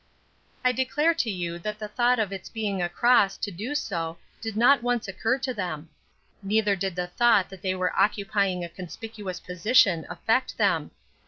I declare to you that the thought of its being a cross to do so did not once occur to them. Neither did the thought that they were occupying a conspicuous position affect them.